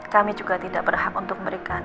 kami juga tidak berhak untuk memberikan